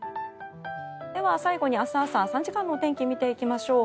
では、最後に明日朝３時間の天気を見てみましょう。